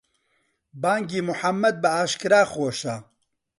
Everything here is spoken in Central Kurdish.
بانگی موحەممەد بەئاشکرا خۆشە.